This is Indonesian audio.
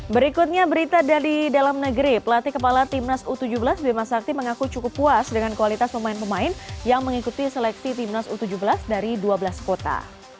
berikutnya berita dari dalam negeri pelatih kepala timnas u tujuh belas bima sakti mengaku cukup puas dengan kualitas pemain pemain yang mengikuti seleksi timnas u tujuh belas dari dua belas kota